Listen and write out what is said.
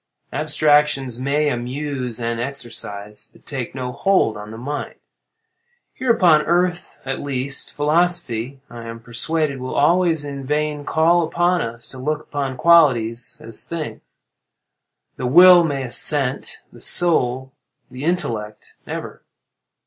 Abstractions may amuse and exercise, but take no hold on the mind. Here upon earth, at least, philosophy, I am persuaded, will always in vain call upon us to look upon qualities as things. The will may assent—the soul—the intellect, never.